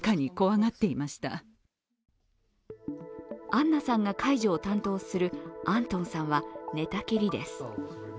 アンナさんが介助を担当するアントンさんは寝たきりです。